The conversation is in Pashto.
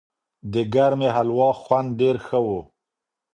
د ګرمې هلوا خوند ډېر ښه و.